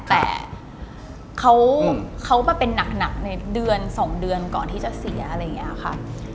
แต่เขามาเป็นหนักในเดือน๒เดือนก่อนที่จะเสียอะไรอย่างนี้ค่ะ